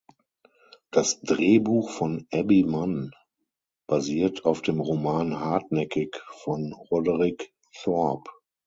Das Drehbuch von Abby Mann basiert auf dem Roman "Hartnäckig" von Roderick Thorp.